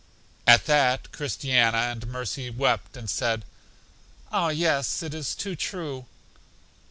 At that Christiana and Mercy wept, and said, Ah, yes, it is too true!